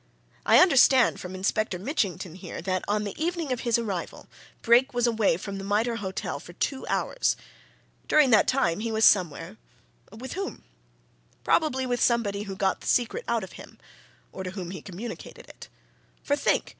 I understand from Inspector Mitchington here that on the evening of his arrival Brake was away from the Mitre Hotel for two hours. During that time, he was somewhere with whom? Probably with somebody who got the secret out of him, or to whom he communicated it. For, think!